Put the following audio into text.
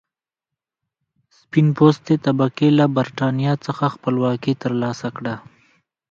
سپین پوستې طبقې له برېټانیا څخه خپلواکي تر لاسه کړه.